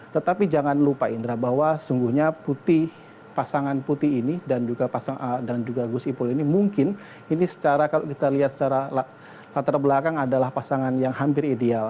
tetapi jangan lupa indra bahwa sungguhnya putih pasangan putih ini dan juga gus ipul ini mungkin ini secara kalau kita lihat secara latar belakang adalah pasangan yang hampir ideal